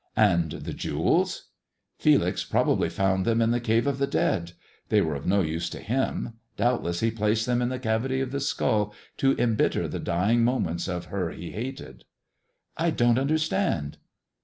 ''" And the jewels 1 "" Felix probably found them in the cave of the dead. They were of no use to him ; doubtless he placed them in the cavity of the skull to embitter the dying moments of her he hated." " I don't understand.''